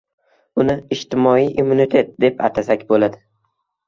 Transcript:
uni ijtimoiy immunitet deb atasak bo‘ladi